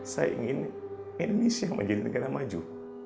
saya ingin indonesia menjadi negara maju